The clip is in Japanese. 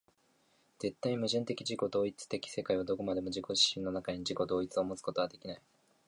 絶対矛盾的自己同一的世界はどこまでも自己自身の中に、自己同一をもつことはできない。